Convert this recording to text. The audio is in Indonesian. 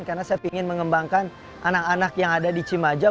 karena saya ingin mengembangkan anak anak yang ada di cimaja